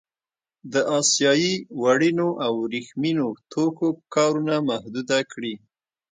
د اسیايي وړینو او ورېښمينو توکو کارونه محدوده کړي.